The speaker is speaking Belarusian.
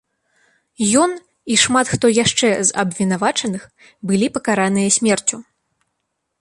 Ён і шмат хто яшчэ з абвінавачаных былі пакараныя смерцю.